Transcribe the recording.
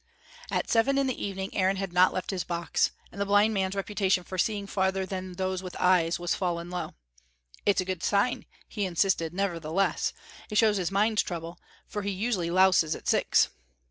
At seven in the evening Aaron had not left his box, and the blind man's reputation for seeing farther than those with eyes was fallen low. "It's a good sign," he insisted, nevertheless. "It shows his mind's troubled, for he usually louses at six."